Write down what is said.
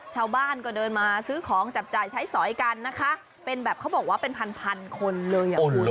ชาวบ้านก็เดินมาซื้อของจับจ่ายใช้สอยกันนะคะเป็นแบบเขาบอกว่าเป็นพันพันคนเลยอ่ะคุณ